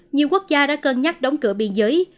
nhiều quốc gia đã cân nhắc đóng cửa biên giới